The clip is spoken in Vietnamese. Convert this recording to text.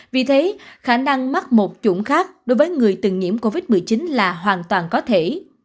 vì thế khả năng mắc một chuẩn khác đối với người từng nhiễm covid một mươi chín là hoàn toàn có thể